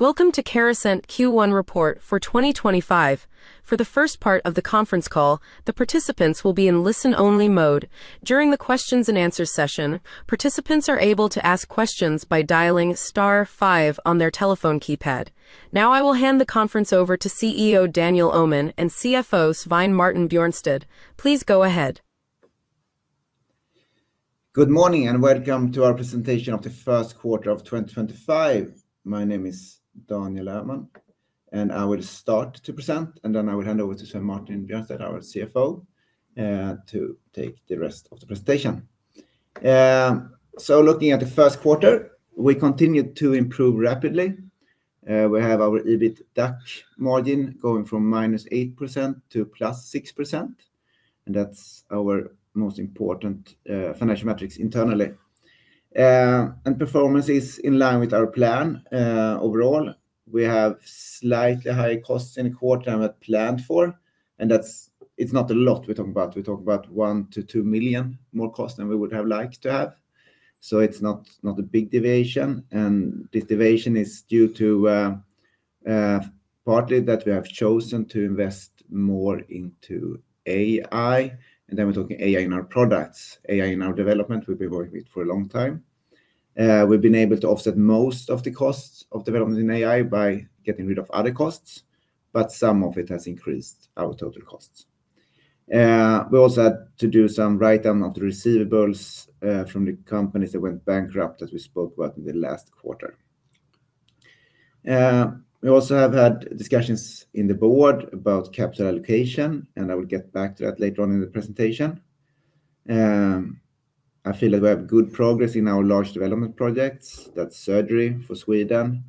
Welcome to Carasent Q1 Report for 2025. For the first part of the conference call, the participants will be in listen-only mode. During the questions and answer session, participants are able to ask questions by dialing star five on their telephone keypad. Now I will hand the conference over to CEO Daniel Öhman and CFO Svein Martin Bjørnstad. Please go ahead. Good morning and welcome to our presentation of the first quarter of 2025. My name is Daniel Öhman, and I will start to present, and then I will hand over to Svein Martin Bjørnstad, our CFO, to take the rest of the presentation. Looking at the first quarter, we continued to improve rapidly. We have our EBITDA margin going from -8% to +6%, and that's our most important financial metrics internally. Performance is in line with our plan overall. We have slightly higher costs in the quarter than we had planned for, and that's not a lot we're talking about. We're talking about 1 million - SEK 2 mill ion more costs than we would have liked to have. It is not a big deviation, and this deviation is due to partly that we have chosen to invest more into AI, and then we are talking AI in our products, AI in our development. We have been working with it for a long time. We have been able to offset most of the costs of development in AI by getting rid of other costs, but some of it has increased our total costs. We also had to do some write-down of the receivables from the companies that went bankrupt that we spoke about in the last quarter. We also have had discussions in the board about capital allocation, and I will get back to that later on in the presentation. I feel that we have good progress in our large development projects. That is surgery for Sweden.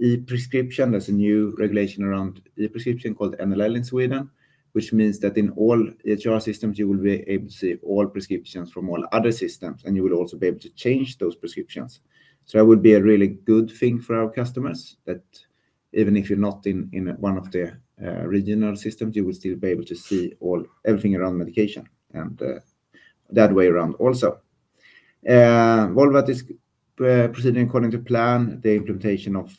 E-prescription, there's a new regulation around e-prescription called NLL in Sweden, which means that in all EHR systems, you will be able to see all prescriptions from all other systems, and you will also be able to change those prescriptions. That would be a really good thing for our customers that even if you're not in one of the regional systems, you will still be able to see all, everything around medication and that way around also. Volvat is proceeding according to plan, the implementation of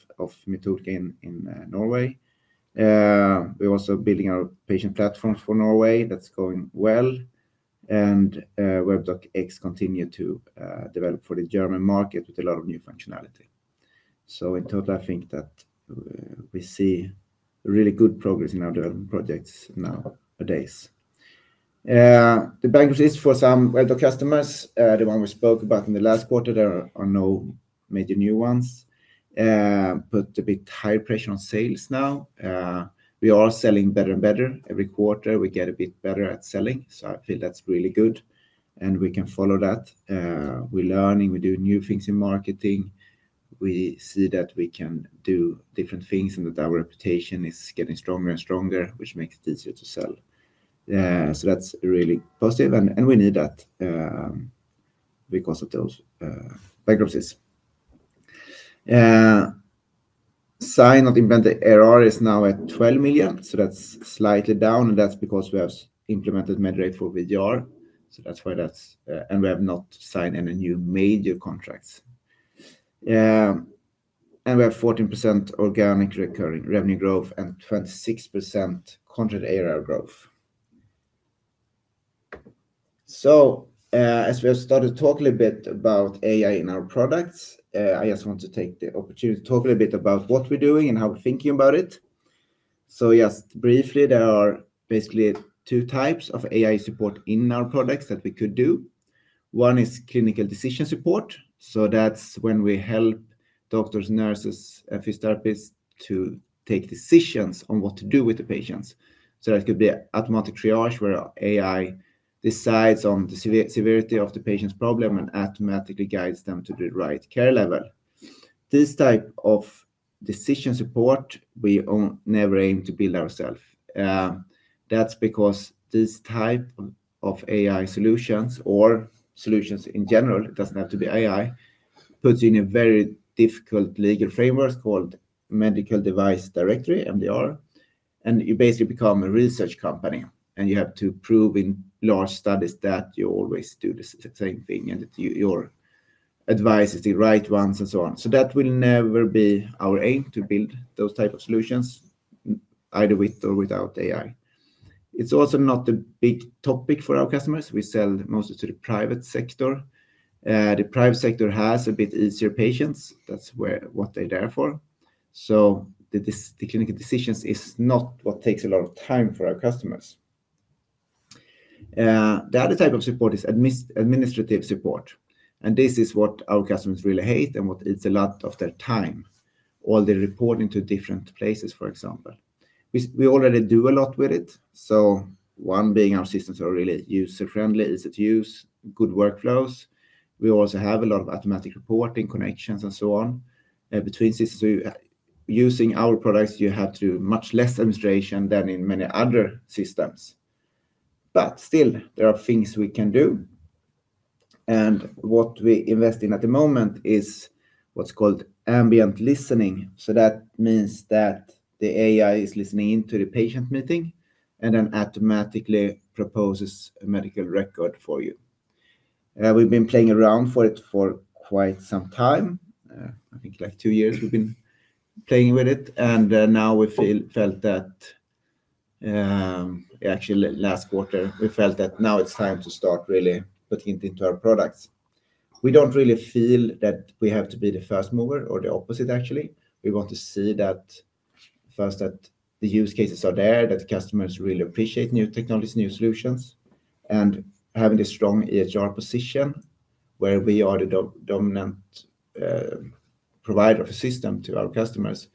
Methodica in Norway. We're also building our patient platforms for Norway. That's going well. WebDocX continues to develop for the German market with a lot of new functionality. In total, I think that we see really good progress in our development projects nowadays. The bankruptcies for some WebDocX customers, the one we spoke about in the last quarter, there are no major new ones, put a bit higher pressure on sales now. We are selling better and better. Every quarter, we get a bit better at selling, so I feel that's really good, and we can follow that. We're learning. We do new things in marketing. We see that we can do different things and that our reputation is getting stronger and stronger, which makes it easier to sell. That's really positive, and we need that because of those bankruptcies. Signed not invented ARR is now at 12 million, so that's slightly down, and that's because we have implemented MedRate for VGR, so that's why that's and we have not signed any new major contracts. We have 14% organic recurring revenue growth and 26% contract ARR growth. So as we have started talking a bit about AI in our products, i just want to take the opportunity to talk a little bit about what we're doing and how we're thinking about it. Just briefly, there are basically two types of AI support in our products that we could do. One is clinical decision support, so that's when we help doctors, nurses, and physiotherapists to take decisions on what to do with the patients. That could be automatic triage where AI decides on the severity of the patient's problem and automatically guides them to the right care level. This type of decision support, we never aim to build ourselves. That's because this type of AI solutions, or solutions in general, it doesn't have to be AI, puts you in a very difficult legal framework called Medical Device Regulation (MDR), and you basically become a research company, and you have to prove in large studies that you always do the same thing and that your advice is the right ones and so on. That will never be our aim to build those types of solutions, either with or without AI. It's also not a big topic for our customers. We sell mostly to the private sector. The private sector has a bit easier patients. That's what they're there for. The clinical decisions are not what takes a lot of time for our customers. The other type of support is administrative support, and this is what our customers really hate and what eats a lot of their time, all the reporting to different places, for example. We already do a lot with it, so one being our systems are really user-friendly, easy to use, good workflows. We also have a lot of automatic reporting connections and so on between systems. Using our products, you have to do much less administration than in many other systems. But still there are things we can do and what we invest in at the moment is what's called Ambient Listening. That means that the AI is listening into the patient meeting and then automatically proposes a medical record for you. We've been playing around for it for quite some time. I think like two years we've been playing with it, and now we felt that actually last quarter, we felt that now it's time to start really putting it into our products. We don't really feel that we have to be the first mover or the opposite, actually. We want to see that first that the use cases are there, that customers really appreciate new technologies, new solutions, and having a strong EHR position where we are the dominant provider of a system to our customers.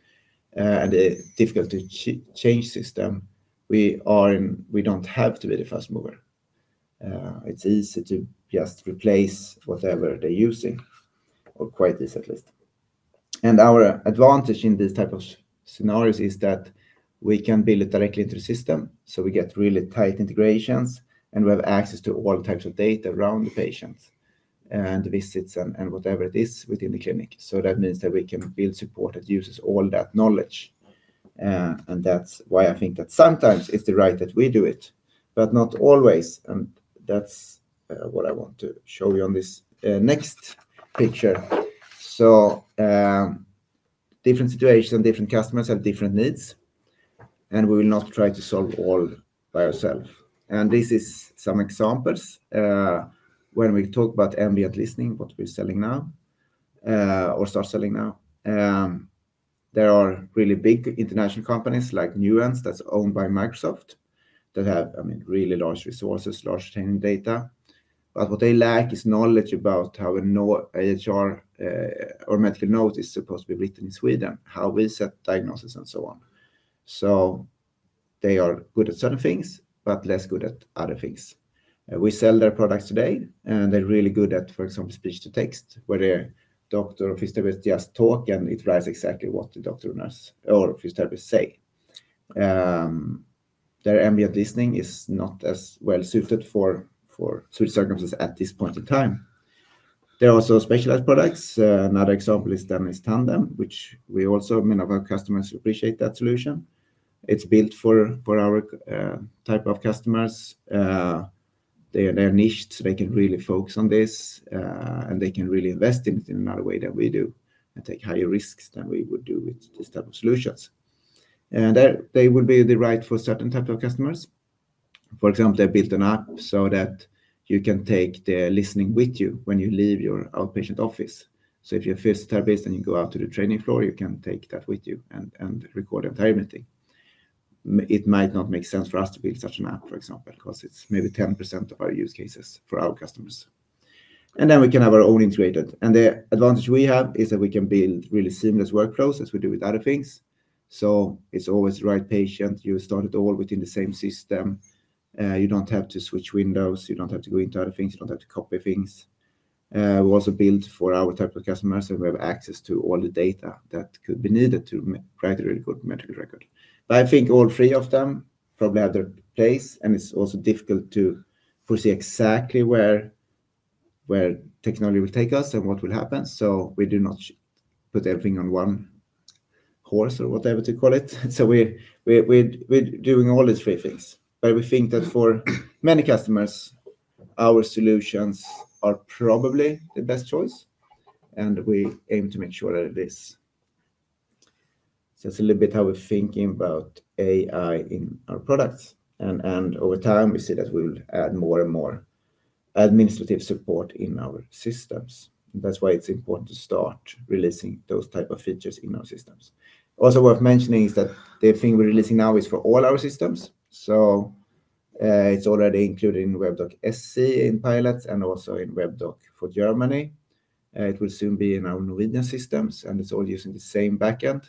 It's difficult to change the system. We don't have to be the first mover. It's easy to just replace whatever they're using, or quite easy at least. Our advantage in these types of scenarios is that we can build it directly into the system, so we get really tight integrations, and we have access to all types of data around the patients and visits and whatever it is within the clinic. That means that we can build support that uses all that knowledge. That's why I think that sometimes it's right that we do it, but not always. That's what I want to show you on this next picture. Different situations, different customers have different needs, and we will not try to solve all by ourselves. This is some examples when we talk about Ambient Listening, what we're selling now or start selling now. There are really big international companies like Nuance that's owned by Microsoft that have, I mean, really large resources, large training data. What they lack is knowledge about how an EHR or medical note is supposed to be written in Sweden, how we set diagnosis and so on. They are good at certain things, but less good at other things. We sell their products today, and they are really good at, for example, speech-to-text where the doctor or physiotherapist just talks, and it writes exactly what the doctor or nurse or physiotherapist says. Their Ambient Listening is not as well suited for certain circumstances at this point in time. There are also specialized products. Another example is Tandem, which many of our customers appreciate that solution is built for our type of customers. They are niched, so they can really focus on this, and they can really invest in it in another way than we do and take higher risks than we would do with this type of solutions. They would be the right for certain types of customers. For example, they built an app so that you can take the listening with you when you leave your outpatient office. If you're a physiotherapist and you go out to the training floor, you can take that with you and record the entire meeting. It might not make sense for us to build such an app, for example, because it's maybe 10% of our use cases for our customers. We can have our own integrated. The advantage we have is that we can build really seamless workflows as we do with other things. It's always the right patient, you start it all within the same system. You don't have to switch windows, you don't have to go into other things. You don't have to copy things. We also build for our type of customers, and we have access to all the data that could be needed to write a really good medical record. I think all three of them probably have their place, and it is also difficult to foresee exactly where technology will take us and what will happen. We do not put everything on one horse or whatever to call it. We are doing all these three things. We think that for many customers, our solutions are probably the best choice, and we aim to make sure that it is. It is a little bit how we are thinking about AI in our products. Over time, we see that we will add more and more administrative support in our systems. That is why it is important to start releasing those types of features in our systems. Also worth mentioning is that the thing we're releasing now is for all our systems. It is already included in WebDocX SC in pilots and also in WebDocX for Germany. It will soon be in our Norwegian systems, and it is all using the same backend,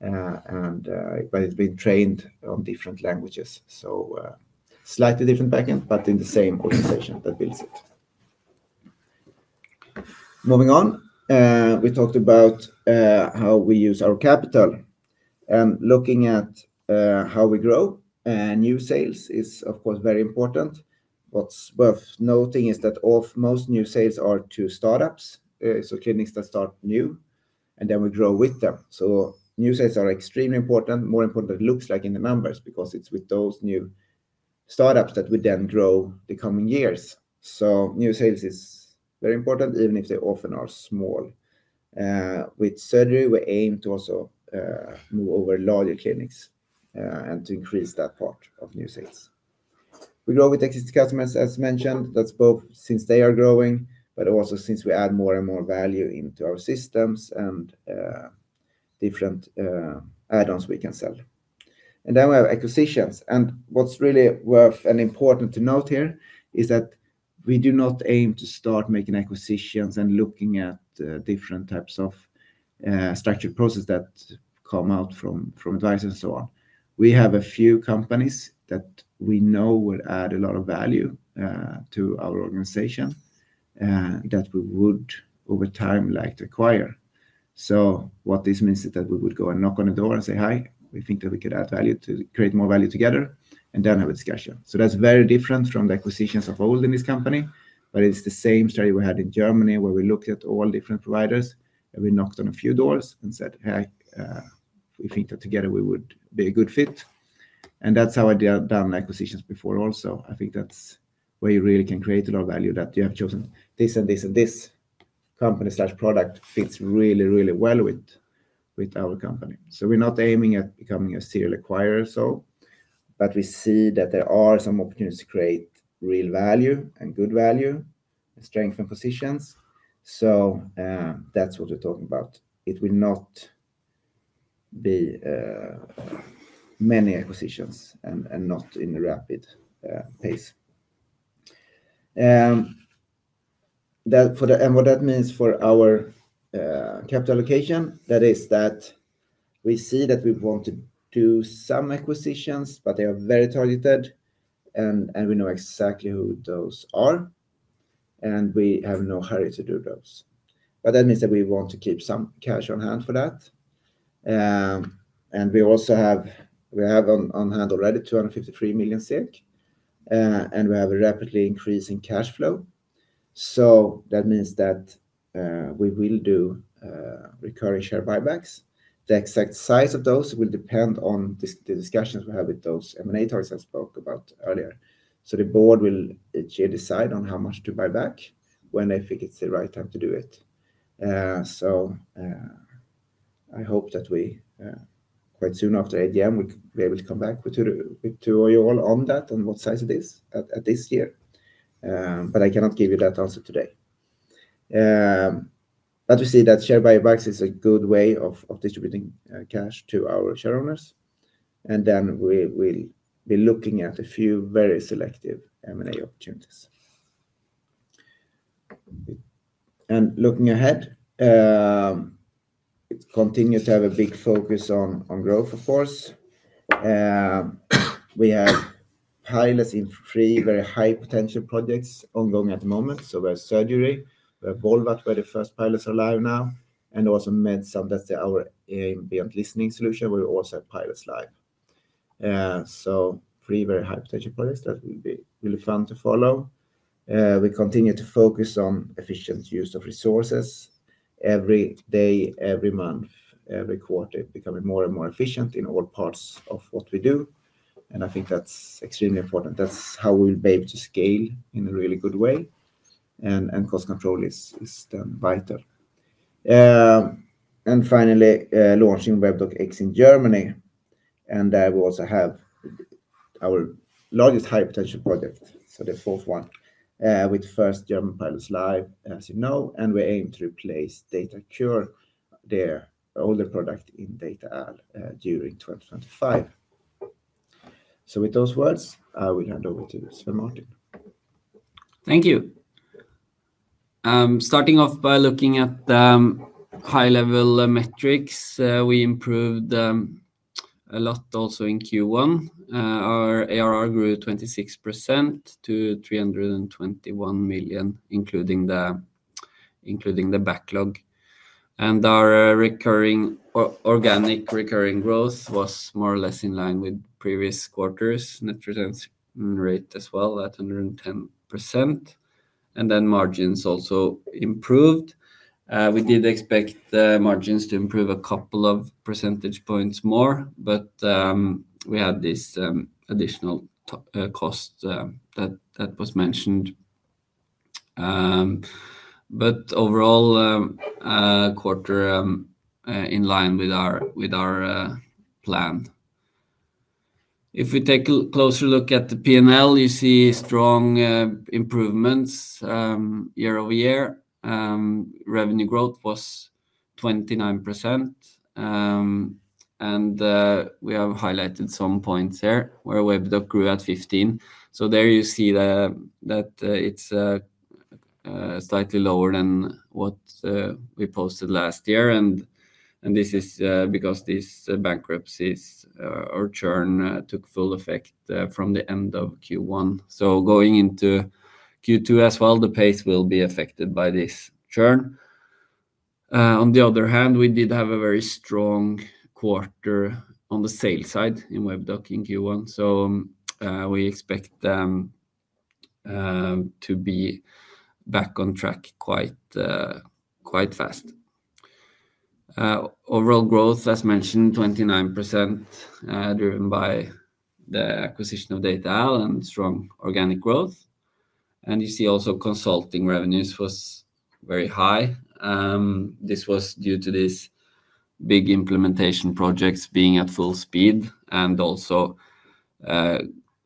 but it has been trained on different languages. So slightly different backend, but in the same organization that builds it. Moving on, we talked about how we use our capital and looking at how we grow. New sales is, of course, very important. What's worth noting is that most new sales are to startups, so clinics that start new, and then we grow with them. New sales are extremely important, more important than it looks like in the numbers, because it is with those new startups that we then grow the coming years. New sales is very important, even if they often are small. With surgery, we aim to also move over larger clinics and to increase that part of new sales. We grow with existing customers, as mentioned. That's both since they are growing, but also since we add more and more value into our systems and different add-ons we can sell. We have acquisitions. What's really worth and important to note here is that we do not aim to start making acquisitions and looking at different types of structured processes that come out from advisors and so on. We have a few companies that we know would add a lot of value to our organization that we would over time like to acquire. What this means is that we would go and knock on the door and say, "Hi, we think that we could add value to create more value together," and then have a discussion. That is very different from the acquisitions of old in this company, but it is the same story we had in Germany where we looked at all different providers and we knocked on a few doors and said, "Hey, we think that together we would be a good fit." That is how I have done acquisitions before also. I think that is where you really can create a lot of value, that you have chosen this and this and this company slash product fits really, really well with our company. We are not aiming at becoming a serial acquirer or so, but we see that there are some opportunities to create real value and good value and strengthen positions. That is what we are talking about. It will not be many acquisitions and not in a rapid pace. What that means for our capital allocation is that we see that we want to do some acquisitions, but they are very targeted, and we know exactly who those are, and we have no hurry to do those. That means that we want to keep some cash on hand for that. We also have on hand already 253 million, and we have a rapidly increasing cash flow. That means that we will do recurring share buybacks. The exact size of those will depend on the discussions we have with those M&A talks I spoke about earlier. The board will each year decide on how much to buy back when they think it is the right time to do it. I hope that quite soon after 8:00 A.M., we'll be able to come back with you all on that and what size it is at this year. I cannot give you that answer today. We see that share buybacks is a good way of distributing cash to our share owners. We will be looking at a few very selective M&A opportunities. Looking ahead, it continues to have a big focus on growth, of course. We have pilots in three very high-potential projects ongoing at the moment. We have surgery. We have Volvat, where the first pilots are live now. Also MedSun, that's our Ambient Listening solution. We also have pilots live. Three very high-potential projects that will be really fun to follow. We continue to focus on efficient use of resources every day, every month, every quarter, becoming more and more efficient in all parts of what we do. I think that's extremely important. That's how we'll be able to scale in a really good way. Cost control is then vital. Finally, launching WebDocX in Germany. There we also have our largest high-potential project, so the fourth one, with the first German pilots live, as you know. We aim to replace DataCur, their older product in DataAlg, during 2025. With those words, I will hand over to Svein Martin. Thank you. Starting off by looking at high-level metrics, we improved a lot also in Q1. Our ARR grew 26% to 321 million, including the backlog. Our organic recurring growth was more or less in line with previous quarter's net returns rate as well at 110%. Margins also improved. We did expect margins to improve a couple of percentage points more, but we had this additional cost that was mentioned but overall, quarter in line with our plan. If we take a closer look at the P&L, you see strong improvements year-over-year. Revenue growth was 29%. We have highlighted some points there where WebDocX grew at 15%. There you see that it is slightly lower than what we posted last year. This is because this bankruptcy or churn took full effect from the end of Q1. Going into Q2 as well, the pace will be affected by this churn. On the other hand, we did have a very strong quarter on the sales side in WebDocX in Q1. We expect them to be back on track quite fast. Overall growth, as mentioned, 29% driven by the acquisition of DataAlg and strong organic growth. You see also consulting revenues was very high. This was due to these big implementation projects being at full speed and also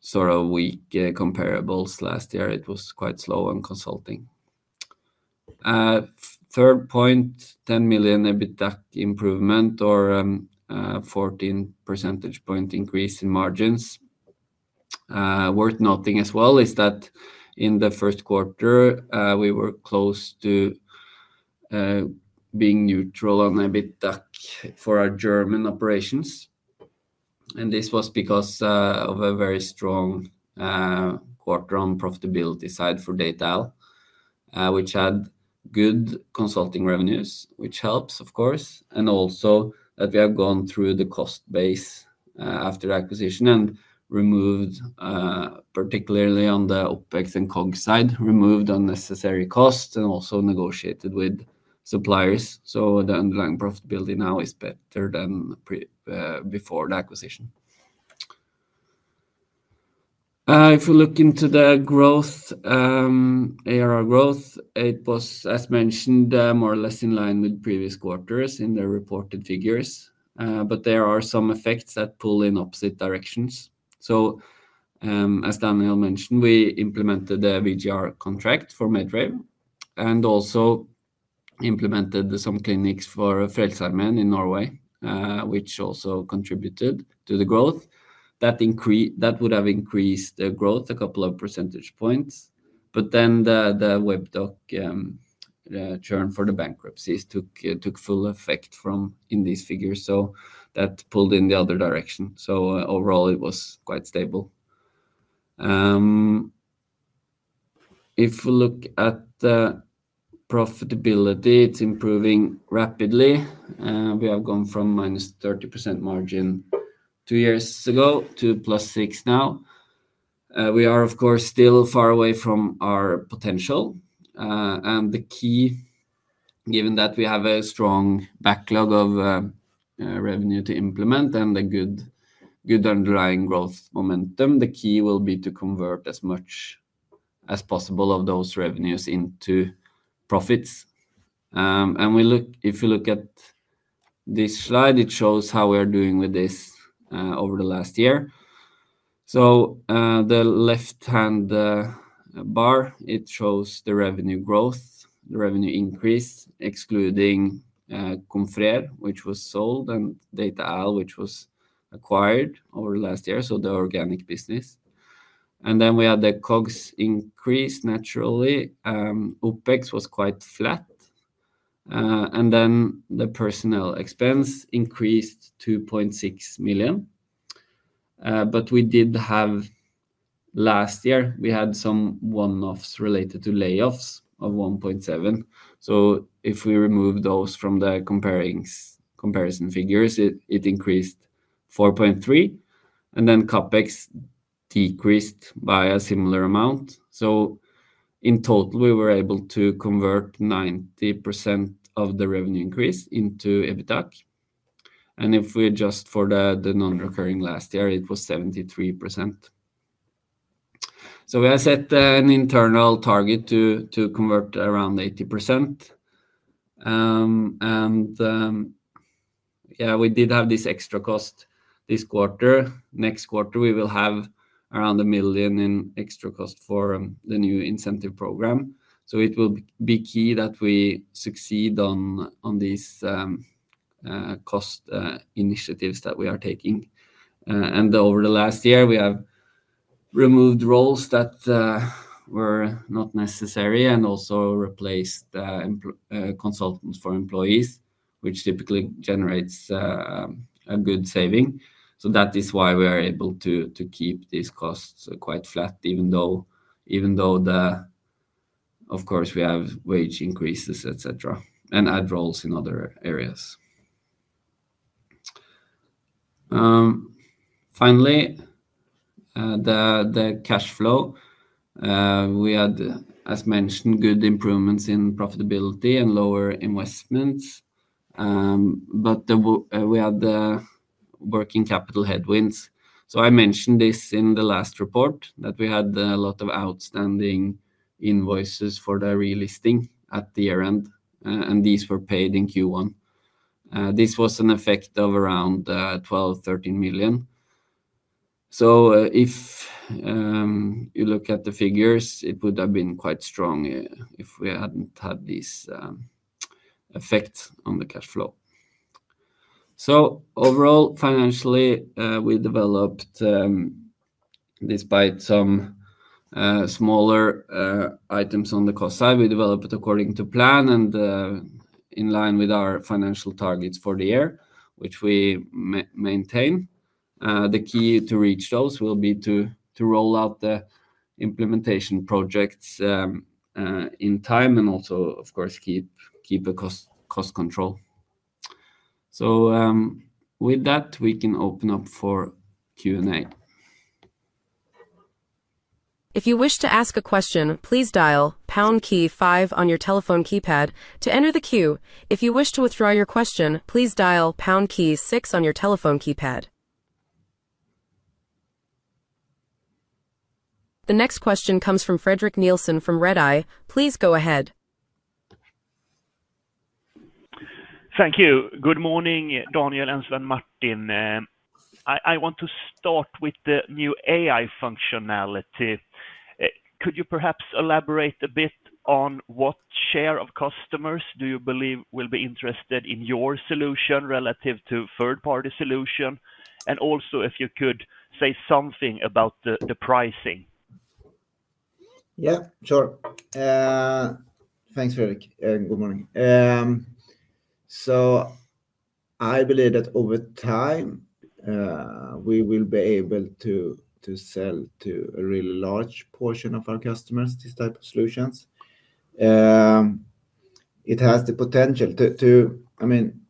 sort of weak comparable last year it was quite slow on consulting. Third point, 10 million EBITDA improvement or 14 percentage point increase in margins. Worth noting as well is that in the first quarter, we were close to being neutral on EBITDA for our German operations. This was because of a very strong quarter on profitability side for DataAlg, which had good consulting revenues, which helps, of course. Also that we have gone through the cost base after acquisition and removed, particularly on the OPEX and COGS side, removed unnecessary costs and also negotiated with suppliers. The underlying profitability now is better than before the acquisition. If we look into the growth, ARR growth, it was, as mentioned, more or less in line with previous quarters in the reported figures. There are some effects that pull in opposite directions. As Daniel mentioned, we implemented the VGR contract for MedRate and also implemented some clinics for Frelsesarmeen in Norway, which also contributed to the growth. That would have increased the growth a couple of percentage points. The WebDocX churn for the bankruptcies took full effect in these figures. That pulled in the other direction. Overall, it was quite stable. If we look at profitability, it is improving rapidly. We have gone from minus 30% margin two years ago to +6% now. We are, of course, still far away from our potential. The key, given that we have a strong backlog of revenue to implement and a good underlying growth momentum, will be to convert as much as possible of those revenues into profits. If you look at this slide, it shows how we are doing with this over the last year. The left-hand bar shows the revenue growth, the revenue increase, excluding Confrier, which was sold, and DataAlg, which was acquired over the last year, so the organic business. We had the COGS increase naturally. OPEX was quite flat. The personnel expense increased SEK 2.6 million. Last year, we had some one-offs related to layoffs of 1.7 million. If we remove those from the comparison figures, it increased 4.3 million. CapEx decreased by a similar amount. In total, we were able to convert 90% of the revenue increase into EBITDA. If we adjust for the non-recurring last year, it was 73%. We have set an internal target to convert around 80%. Yeah, we did have this extra cost this quarter. Next quarter, we will have around 1 million in extra cost for the new incentive program. It will be key that we succeed on these cost initiatives that we are taking. Over the last year, we have removed roles that were not necessary and also replaced consultants for employees, which typically generates a good saving. That is why we are able to keep these costs quite flat, even though, of course, we have wage increases, etc., and add roles in other areas. Finally, the cash flow. We had, as mentioned, good improvements in profitability and lower investments. We had working capital headwinds. I mentioned this in the last report, that we had a lot of outstanding invoices for the relisting at the year-end. These were paid in Q1. This was an effect of around 12 million-13 million. If you look at the figures, it would have been quite strong if we had not had these effects on the cash flow. So overall, financially, we developed, despite some smaller items on the cost side, we developed according to plan and in line with our financial targets for the year, which we maintain. The key to reach those will be to roll out the implementation projects in time and also, of course, keep the cost control. With that, we can open up for Q&A. If you wish to ask a question, please dial pound key five on your telephone keypad to enter the queue. If you wish to withdraw your question, please dial pound key six on your telephone keypad. The next question comes from Fredrik Nilsson from Redeye. Please go ahead. Thank you. Good morning, Daniel and Svein Martin. I want to start with the new AI functionality. Could you perhaps elaborate a bit on what share of customers do you believe will be interested in your solution relative to third-party solution? Also, if you could say something about the pricing. Yeah, sure. Thanks, Fredrik. Good morning. I believe that over time, we will be able to sell to a really large portion of our customers this type of solutions. It has the potential to, I mean,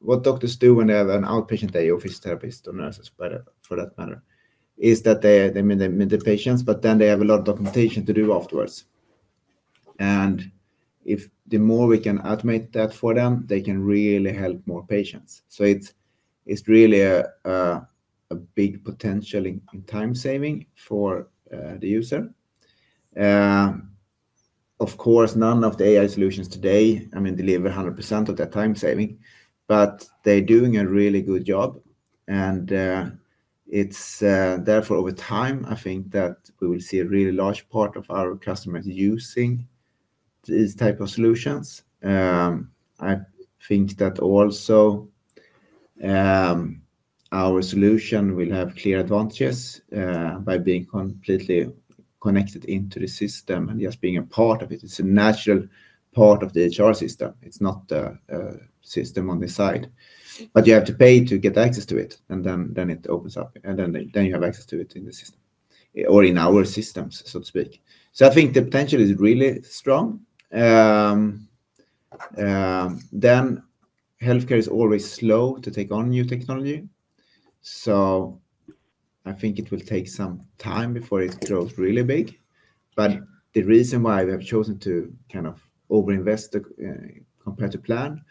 what doctors, even an outpatient day office therapist or nurses for that matter, is that they meet the patients, but then they have a lot of documentation to do afterwards. The more we can automate that for them, they can really help more patients. It is really a big potential in time saving for the user. Of course, none of the AI solutions today, I mean, deliver 100% of that time saving, but they are doing a really good job. Therefore, over time, I think that we will see a really large part of our customers using these types of solutions. I think that also our solution will have clear advantages by being completely connected into the system and just being a part of it. It is a natural part of the EHR system. It is not a system on the side. You have to pay to get access to it, and then it opens up, and then you have access to it in the system or in our systems, so to speak. I think the potential is really strong. Healthcare is always slow to take on new technology. I think it will take some time before it grows really big. The reason why we have chosen to kind of over-invest compared to plan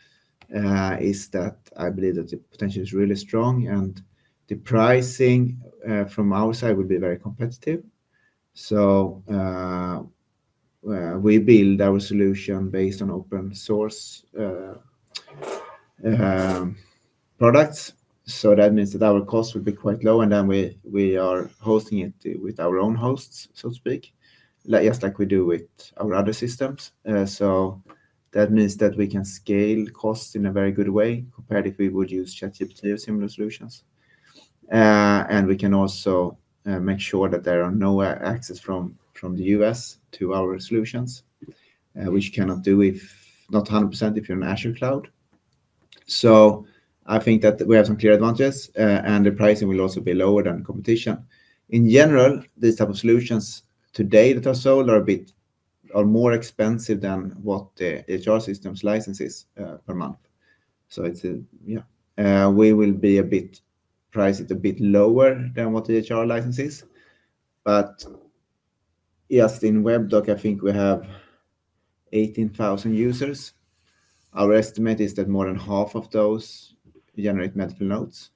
is that I believe that the potential is really strong, and the pricing from our side will be very competitive. We build our solution based on open-source products. That means that our costs will be quite low, and we are hosting it with our own hosts, so to speak, just like we do with our other systems. That means that we can scale costs in a very good way compared if we would use ChatGPT or similar solutions. We can also make sure that there is no access from the U.S. to our solutions, which you cannot do it 100% if you are on Azure Cloud. I think that we have some clear advantages, and the pricing will also be lower than the competition. In general, these types of solutions today that are sold are more expensive than what the EHR system's license is per month. We will be priced a bit lower than what the EHR license is. Just in WebDocX, I think we have 18,000 users. Our estimate is that more than half of those generate medical notes.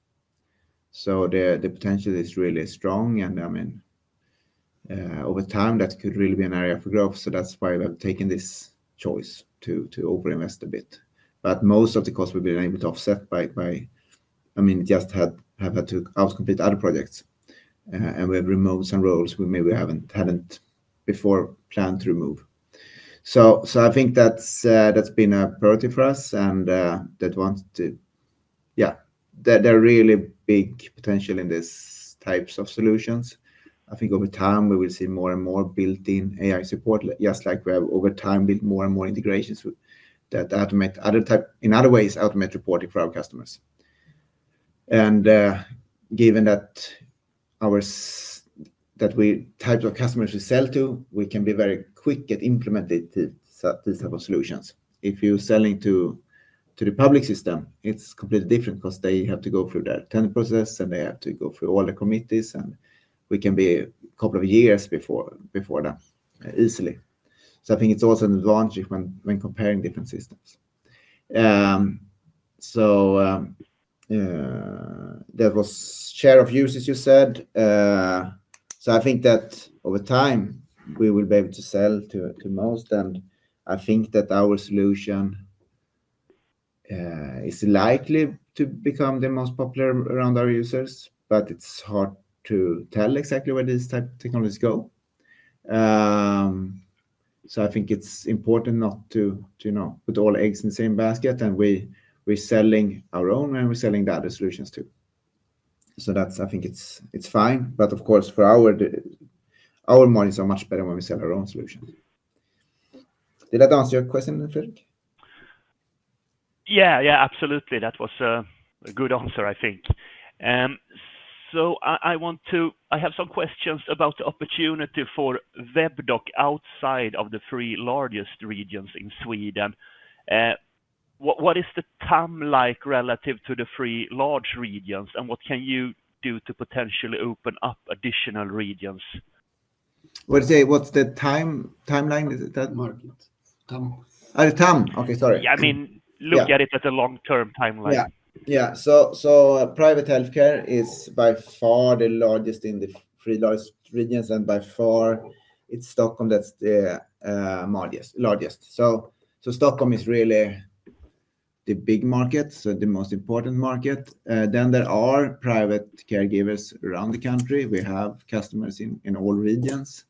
The potential is really strong. I mean, over time, that could really be an area for growth. That is why we have taken this choice to over-invest a bit. Most of the costs will be able to offset by, I mean, just have had to complete other projects. We have removed some roles we maybe haven't before planned to remove. I think that's been a priority for us. That wants to, yeah, there are really big potential in these types of solutions. I think over time, we will see more and more built-in AI support, just like we have over time built more and more integrations that automate other types in other ways, automate reporting for our customers. Given that the types of customers we sell to, we can be very quick at implementing these types of solutions. If you're selling to the public system, it's completely different because they have to go through the tenant process, and they have to go through all the committees. We can be a couple of years before that easily. I think it's also an advantage when comparing different systems. That was share of users, you said. I think that over time, we will be able to sell to most. I think that our solution is likely to become the most popular around our users, but it's hard to tell exactly where these types of technologies go. I think it's important not to put all eggs in the same basket, and we're selling our own and we're selling the other solutions too. I think it's fine. Of course, for our monies, are much better when we sell our own solutions. Did that answer your question, Fredrik? Yeah, yeah, absolutely. That was a good answer, I think. I have some questions about the opportunity for WebDocX outside of the three largest regions in Sweden. What is the time like relative to the three large regions, and what can you do to potentially open up additional regions? What's the timeline in that market? Okay, sorry I mean, look at it as a long-term timeline. Yeah, yeah. Private healthcare is by far the largest in the three largest regions, and by far it's Stockholm that's the largest. Stockholm is really the big market, so the most important market. There are private caregivers around the country. We have customers in all regions.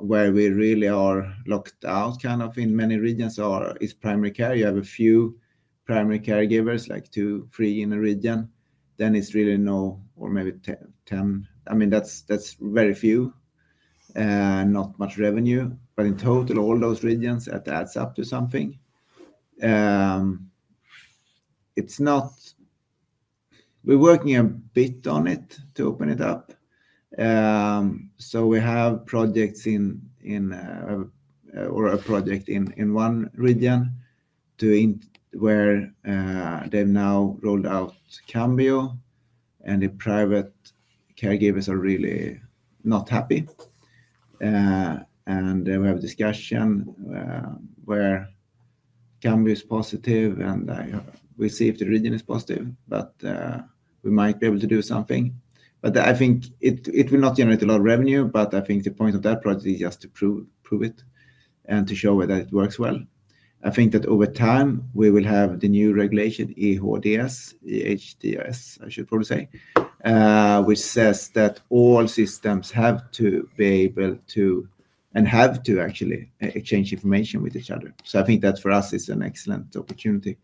Where we really are locked out kind of in many regions is primary care. You have a few primary caregivers, like two, three in a region. Then it's really no or maybe 10. I mean, that's very few, not much revenue. In total, all those regions, that adds up to something. We're working a bit on it to open it up. We have projects in or a project in one region where they've now rolled out Cambio, and the private caregivers are really not happy. We have a discussion where Cambio is positive, and we see if the region is positive, but we might be able to do something. I think it will not generate a lot of revenue, but I think the point of that project is just to prove it and to show that it works well. I think that over time, we will have the new regulation, EHDS, I should probably say, which says that all systems have to be able to and have to actually exchange information with each other. I think that for us is an excellent opportunity.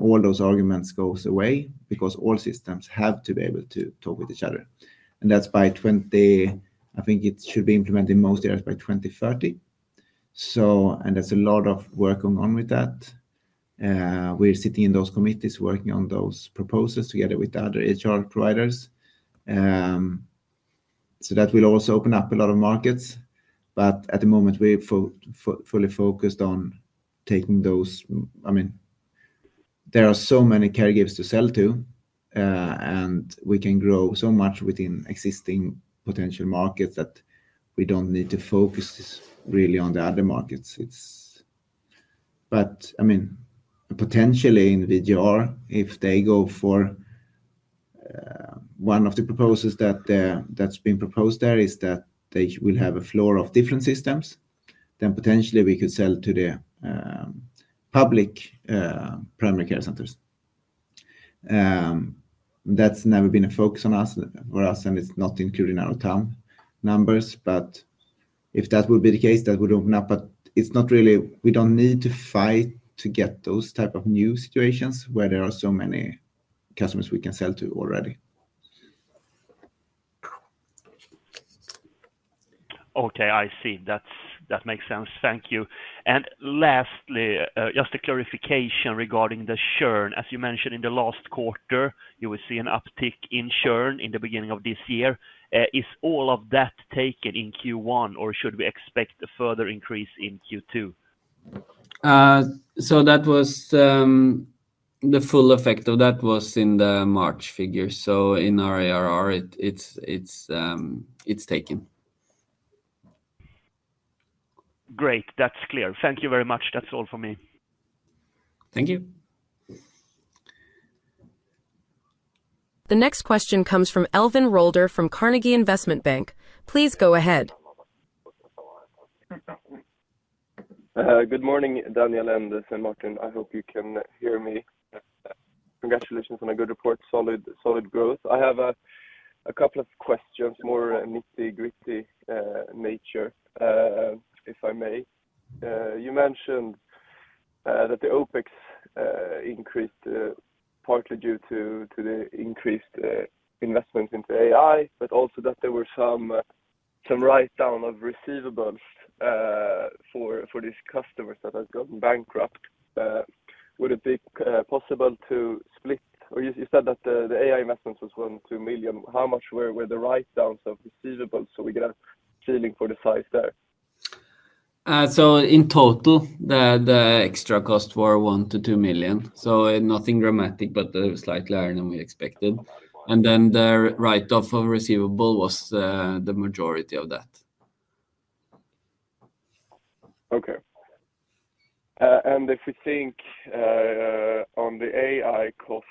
All those arguments go away because all systems have to be able to talk with each other. That should be implemented in most areas by 2030. There is a lot of work going on with that. We are sitting in those committees working on those proposals together with other EHR providers. That will also open up a lot of markets. At the moment, we are fully focused on taking those. I mean, there are so many caregivers to sell to, and we can grow so much within existing potential markets that we do not need to focus really on the other markets. I mean, potentially in VGR, if they go for one of the proposals that's been proposed there, is that they will have a floor of different systems, then potentially we could sell to the public primary care centers. That's never been a focus for us, and it's not included in our TAM numbers. If that would be the case, that would open up. It's not really, we don't need to fight to get those types of new situations where there are so many customers we can sell to already. Okay, I see. That makes sense. Thank you. Lastly, just a clarification regarding the churn. As you mentioned, in the last quarter, you will see an uptick in churn in the beginning of this year. Is all of that taken in Q1, or should we expect a further increase in Q2? The full effect of that was in the March figure. In our ARR, it is taken. Great. That is clear. Thank you very much. That is all for me. Thank you. The next question comes from Elmer Rolder from Carnegie Investment Bank. Please go ahead. Good morning, Daniel and Svein Martin. I hope you can hear me. Congratulations on a good report, solid growth. I have a couple of questions, more nitty-gritty nature, if I may. You mentioned that the OPEX increased partly due to the increased investment into AI, but also that there were some write-down of receivables for these customers that have gone bankrupt. Would it be possible to split? Or you said that the AI investments was 1 million-2 million. How much were the write-downs of receivables? So we get a feeling for the size there. In total, the extra costs were 1 million-2 million. Nothing dramatic, but slightly higher than we expected. The write-off of receivable was the majority of that. Okay. If we think on the AI cost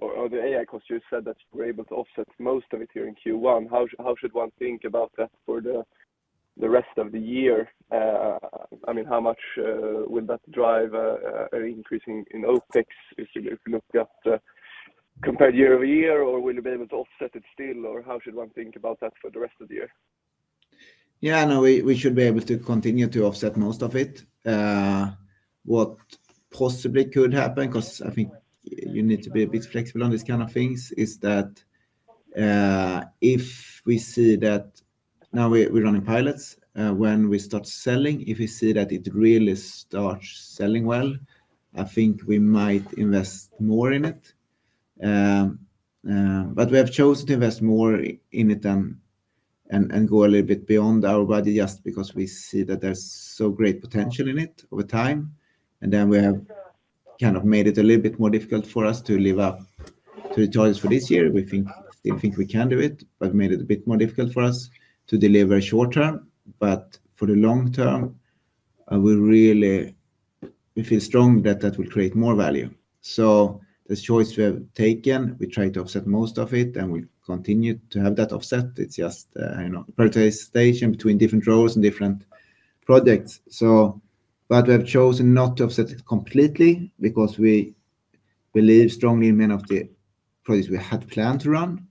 or the AI cost, you said that you were able to offset most of it here in Q1. How should one think about that for the rest of the year? I mean, how much will that drive an increase in OPEX if you look at compared year over year, or will you be able to offset it still, or how should one think about that for the rest of the year? Yeah, no, we should be able to continue to offset most of it. What possibly could happen, because I think you need to be a bit flexible on these kinds of things, is that if we see that now we're running pilots, when we start selling, if we see that it really starts selling well, I think we might invest more in it. We have chosen to invest more in it and go a little bit beyond our budget just because we see that there's so great potential in it over time. We have kind of made it a little bit more difficult for us to live up to the targets for this year. We still think we can do it, but made it a bit more difficult for us to deliver short term. But for the long term, we feel strong that that will create more value. The choice we have taken, we try to offset most of it, and we continue to have that offset. It is just prioritization between different roles and different projects. We have chosen not to offset it completely because we believe strongly in many of the projects we had planned to run.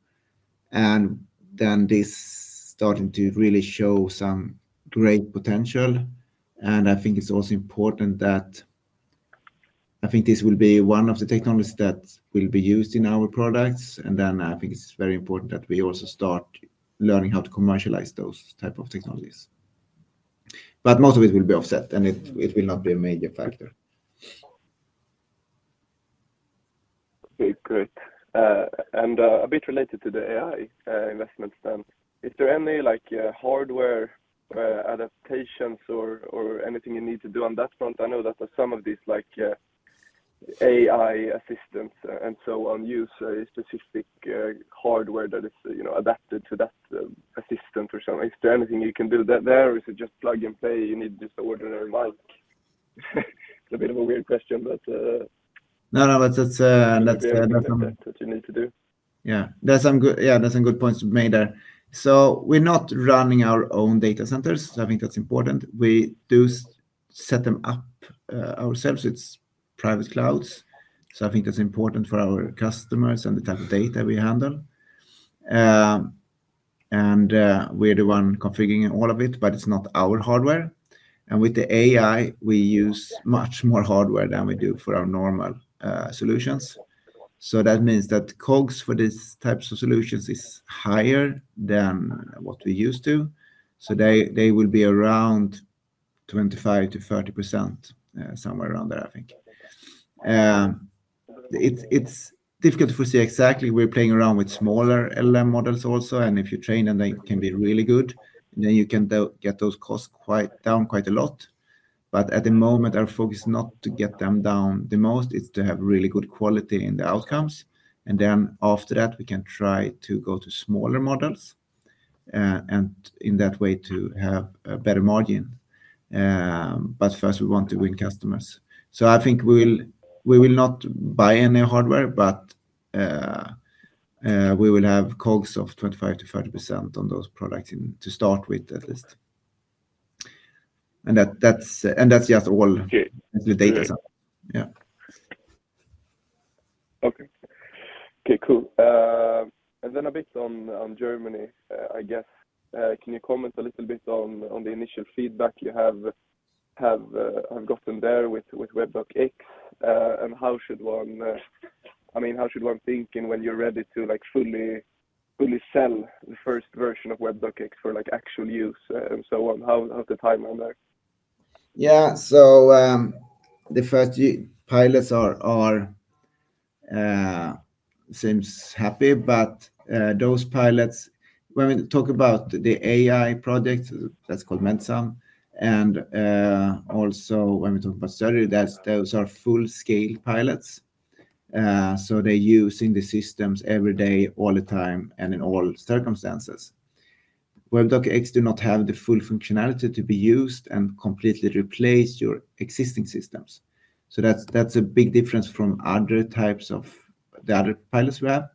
This is starting to really show some great potential. I think it is also important that I think this will be one of the technologies that will be used in our products. I think it is very important that we also start learning how to commercialize those types of technologies. Most of it will be offset, and it will not be a major factor. Okay, great. A bit related to the AI investments then, is there any hardware adaptations or anything you need to do on that front? I know that some of these AI assistants and so on use a specific hardware that is adapted to that assistant or something. Is there anything you can do there? Is it just plug and play? You need just an ordinary mic? It's a bit of a weird question, but. No, no, that's a good comment. What you need to do. Yeah, there's some good points made there. We're not running our own data centers. I think that's important. We do set them up ourselves. It's private clouds. I think that's important for our customers and the type of data we handle. We're the one configuring all of it, but it's not our hardware. With the AI, we use much more hardware than we do for our normal solutions. That means that COGS for these types of solutions is higher than what we used to. They will be around 25%-30%, somewhere around there, I think. It's difficult to foresee exactly. We're playing around with smaller LLM models also. If you train them, they can be really good. Then you can get those costs down quite a lot. At the moment, our focus is not to get them down the most. It's to have really good quality in the outcomes. After that, we can try to go to smaller models and in that way to have a better margin. First, we want to win customers. I think we will not buy any hardware, but we will have COGS of 25%-30% on those products to start with at least. That's just all the data centers. Yeah. Okay. Okay, cool. A bit on Germany, I guess. Can you comment a little bit on the initial feedback you have gotten there with WebDocX? And how should one, I mean, how should one think when you're ready to fully sell the first version of WebDocX for actual use and so on? How's the timeline there? Yeah, the first pilots seem happy, but those pilots, when we talk about the AI project, that's called MedSun. And also when we talk about Siri, those are full-scale pilots. They're using the systems every day, all the time, and in all circumstances. WebDocX does not have the full functionality to be used and completely replace your existing systems. That's a big difference from the other pilots we have,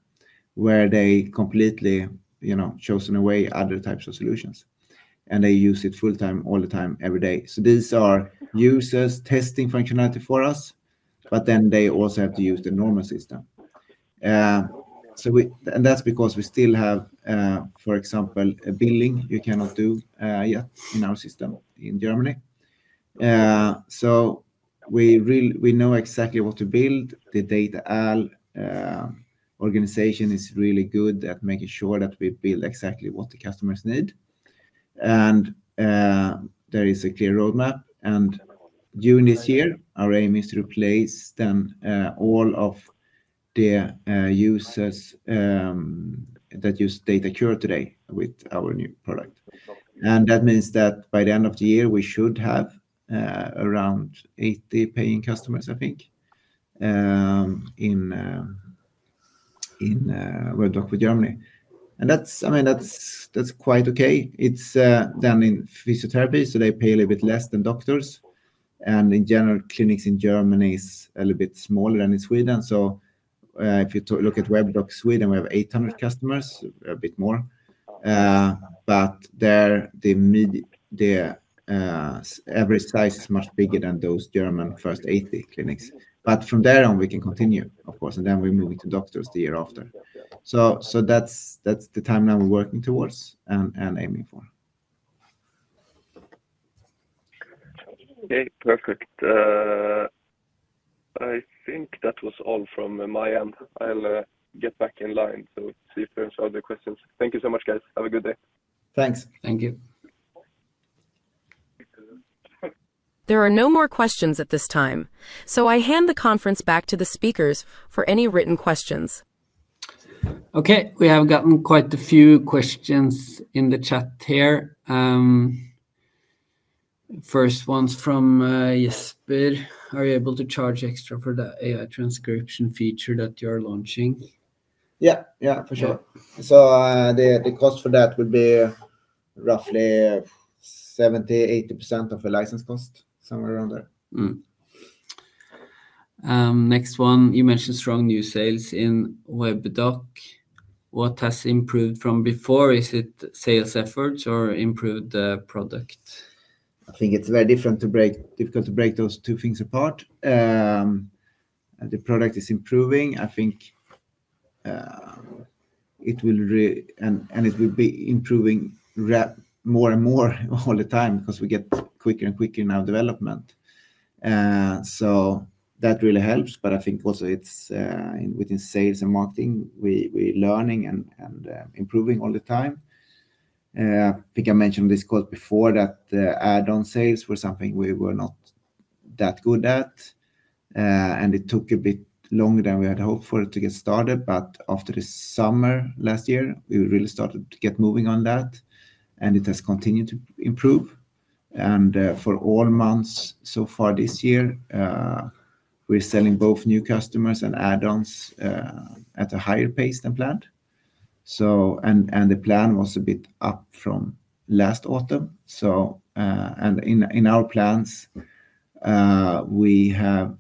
where they have completely chosen away other types of solutions. They use it full-time, all the time, every day. These are users testing functionality for us, but they also have to use the normal system. That is because we still have, for example, a billing you cannot do yet in our system in Germany. We know exactly what to build. The DataAlg organization is really good at making sure that we build exactly what the customers need. There is a clear roadmap. During this year, our aim is to replace all of the users that use DataCur today with our new product. That means that by the end of the year, we should have around 80 paying customers, I think, in WebDocX for Germany. I mean, that is quite okay. It is done in physiotherapy, so they pay a little bit less than doctors. In general, clinics in Germany are a little bit smaller than in Sweden. If you look at WebDocX Sweden, we have 800 customers, a bit more. The average size is much bigger than those German first 80 clinics. From there on, we can continue, of course. We move into doctors the year after. That is the timeline we are working towards and aiming for. Okay, perfect. I think that was all from my end. I'll get back in line to see if there are any further questions. Thank you so much, guys. Have a good day. Thanks. Thank you. There are no more questions at this time. I hand the conference back to the speakers for any written questions. Okay, we have gotten quite a few questions in the chat here. First one's from Jesper. Are you able to charge extra for the AI transcription feature that you are launching? Yeah, yeah, for sure. The cost for that would be roughly 70%-80% of the license cost, somewhere around there. Next one, you mentioned strong new sales in WebDocX. What has improved from before? Is it sales efforts or improved product? I think it's very difficult to break those two things apart. The product is improving. I think it will be improving more and more all the time because we get quicker and quicker in our development. That really helps. I think also within sales and marketing, we're learning and improving all the time. I think I mentioned on this call before that add-on sales were something we were not that good at. It took a bit longer than we had hoped for it to get started. After the summer last year, we really started to get moving on that. It has continued to improve. For all months so far this year, we're selling both new customers and add-ons at a higher pace than planned. The plan was a bit up from last autumn. In our plans, we have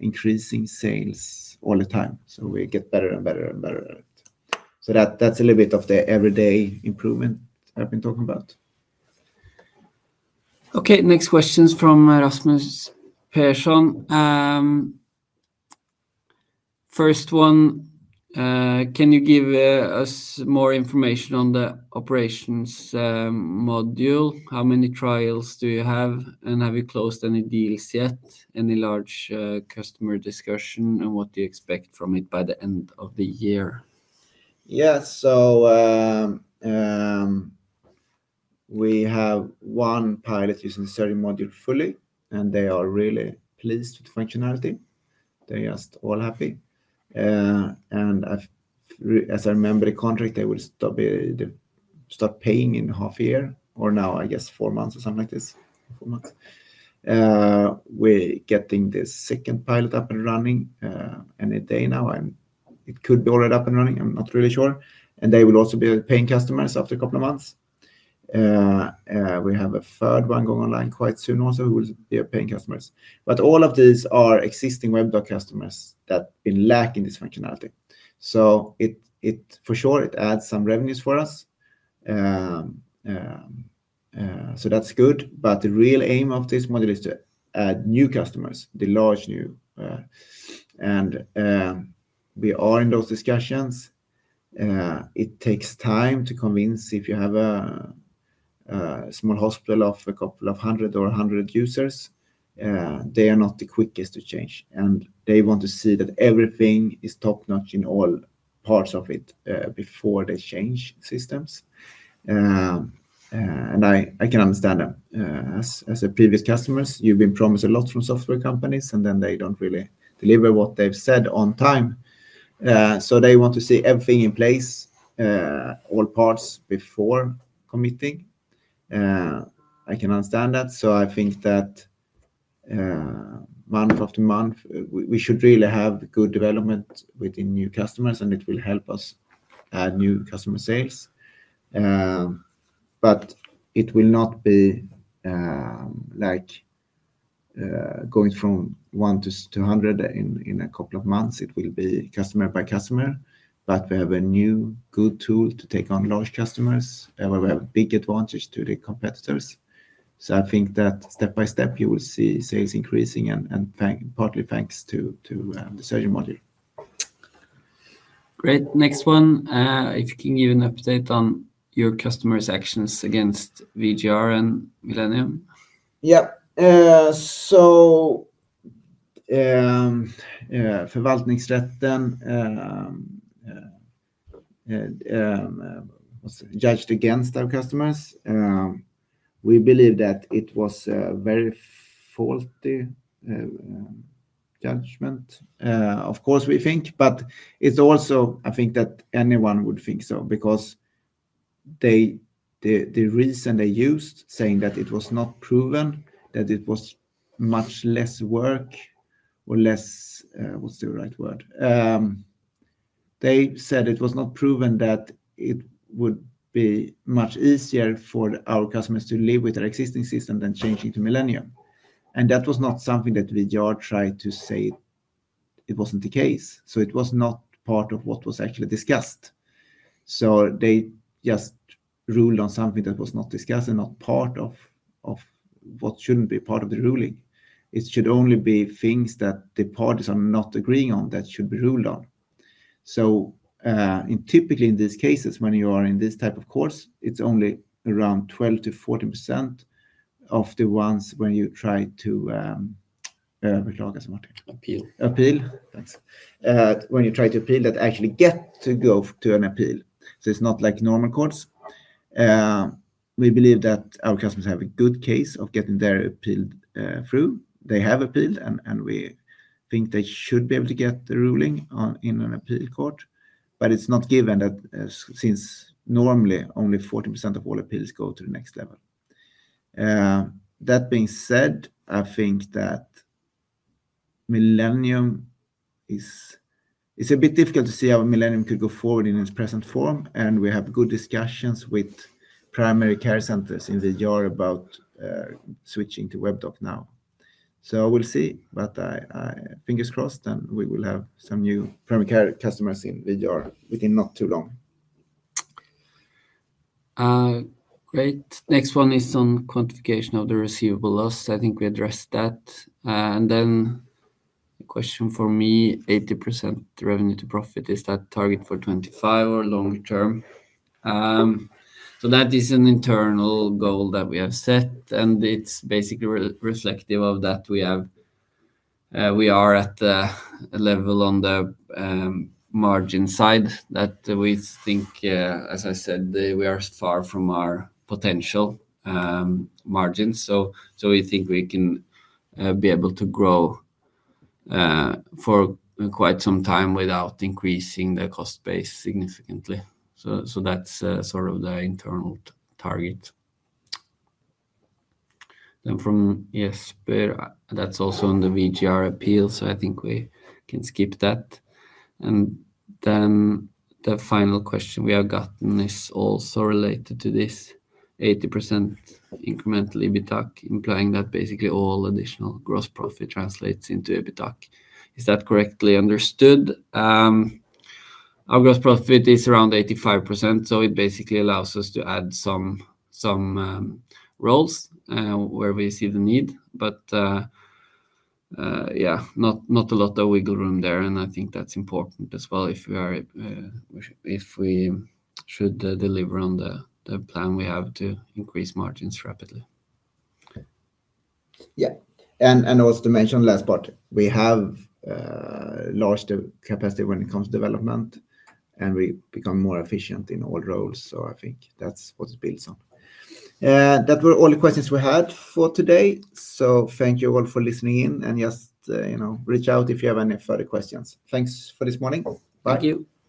increasing sales all the time. We get better and better and better at it. That's a little bit of the everyday improvement I've been talking about. Next question is from Rasmus Persson. First one, can you give us more information on the operations module? How many trials do you have? Have you closed any deals yet? Any large customer discussion? What do you expect from it by the end of the year? Yeah, we have one pilot using the Siri module fully. They are really pleased with the functionality. They're just all happy. As I remember the contract, they will stop paying in half a year. I guess now, four months or something like this. Four months. We're getting the second pilot up and running any day now. It could be already up and running. I'm not really sure. They will also be paying customers after a couple of months. We have a third one going online quite soon also, who will be paying customers. All of these are existing WebDocX customers that have been lacking this functionality. For sure, it adds some revenues for us. That's good. The real aim of this model is to add new customers, the large new. We are in those discussions. It takes time to convince if you have a small hospital of a couple of hundred or a hundred users. They are not the quickest to change. They want to see that everything is top-notch in all parts of it before they change systems. I can understand them. As their previous customers, you've been promised a lot from software companies, and then they don't really deliver what they've said on time. They want to see everything in place, all parts before committing. I can understand that. I think that month after month, we should really have good development within new customers, and it will help us add new customer sales. It will not be like going from 1 - 200 in a couple of months. It will be customer by customer. We have a new good tool to take on large customers. We have a big advantage to the competitors. I think that step by step, you will see sales increasing, partly thanks to the Siri module. Great. Next one, if you can give an update on your customer's actions against VGR and Millennium? Yeah. So Förvaltningsrätten judged against our customers. We believe that it was a very faulty judgment, of course, we think. I think that anyone would think so because the reason they used, saying that it was not proven, that it was much less work or less, what's the right word? They said it was not proven that it would be much easier for our customers to live with our existing system than changing to Millennium. That was not something that VGR tried to say it wasn't the case. It was not part of what was actually discussed. They just ruled on something that was not discussed and not part of what should not be part of the ruling. It should only be things that the parties are not agreeing on that should be ruled on. Typically in these cases, when you are in this type of course, it's only around 12%-14% of the ones when you try to appeal that actually get to go to an appeal. It's not like normal courts. We believe that our customers have a good case of getting their appeal through. They have appealed, and we think they should be able to get the ruling in an appeal court. It's not given that since normally only 14% of all appeals go to the next level. That being said, I think that Millennium is a bit difficult to see how Millennium could go forward in its present form. We have good discussions with primary care centers in VGR about switching to WebDocX now. Fingers crossed, we will have some new primary care customers in VGR within not too long. Great. Next one is on quantification of the receivable loss? I think i will addressed that. A question for me, 80% revenue to profit. Is that target for 2025 or long term? That is an internal goal that we have set. It is basically reflective of that we are at a level on the margin side that we think, as I said, we are far from our potential margins. We think we can be able to grow for quite some time without increasing the cost base significantly. That is sort of the internal target. From Jesper, that is also on the VGR appeal. I think we can skip that. The final question we have gotten is also related to this. 80% incremental EBITDA implying that basically all additional gross profit translates into EBITDA. Is that correctly understood? Our gross profit is around 85%. It basically allows us to add some roles where we see the need. Yeah, not a lot of wiggle room there. I think that's important as well if we should deliver on the plan we have to increase margins rapidly. Yeah. Also to mention last part, we have a large capacity when it comes to development. We become more efficient in all roles. I think that's what it builds on. That were all the questions we had for today. Thank you all for listening in. Just reach out if you have any further questions. Thanks for this morning. Thank you.